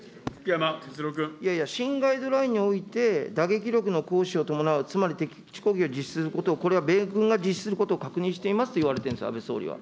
いやいや、新ガイドラインにおいて、打撃力の行使を伴う、つまり敵基地攻撃を実施すること、これは米軍が実施することを確認していますと言われているんですよ、安倍総理は。